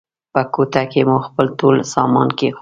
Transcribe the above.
په کوټه کې مو خپل ټول سامان کېښود.